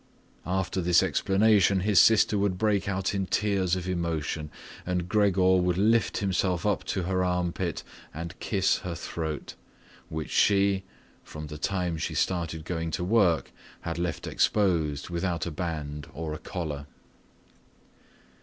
After this explanation his sister would break out in tears of emotion, and Gregor would lift himself up to her armpit and kiss her throat, which she, from the time she started going to work, had left exposed without a band or a collar.